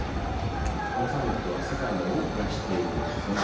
このサミットは世界の多くが知っている戦争